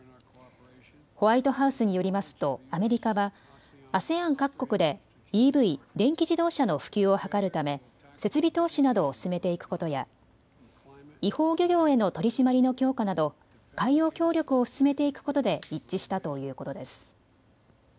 ホワイトハウスによりますとアメリカはＡＳＥＡＮ各国でＥＶ・電気自動車の普及を図るため設備投資などを進めていくことや、違法漁業への取締りの強化など海洋協力を進めていくことで一致したということです。